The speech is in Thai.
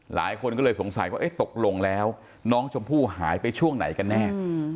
หลายคนก็เลยสงสัยว่าตกลงแล้วน้องชมพู่หายไปช่วงไหนกันแน่